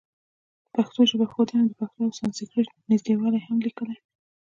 پښتو ژبښودنه او د پښتو او سانسکریټ نزدېوالی هم لیکلي.